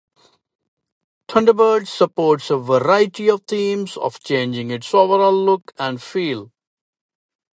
Thunderbird supports a variety of themes for changing its overall look and feel.